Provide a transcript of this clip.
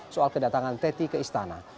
soal kedatangan teti ke istana